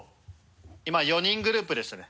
今４人グループですね。